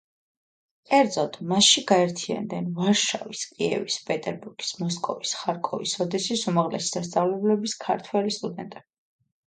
კერძოდ, მასში გაერთიანდნენ ვარშავის, კიევის, პეტერბურგის, მოსკოვის, ხარკოვის, ოდესის უმაღლესი სასწავლებლების ქართველი სტუდენტები.